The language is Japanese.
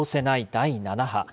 第７波。